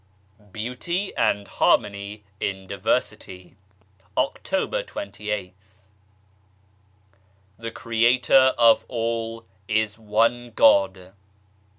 BEAUTY AND HARMONY IN DIVERSITY October 28th. Creator of all is One God.